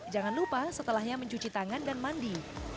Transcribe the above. jangan lupa setelahnya mencuci tangan dan mandi